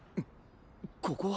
ここは？